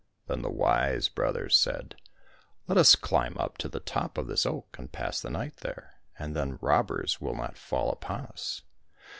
Then the wise brothers said, " Let us climb up to the top of this oak and pass the night there, and then robbers will not fall upon us."